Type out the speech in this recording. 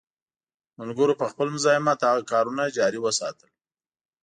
ملګرو په خپل مزاحمت هغه کارونه جاري وساتل.